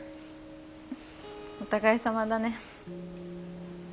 お互いさまだね。